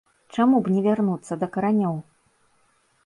Чаму б не вярнуцца да каранёў.